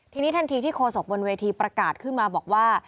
ทีนี้ทันทีที่โฆษกบนเวทีประกาศขึ้นมาบอกว่า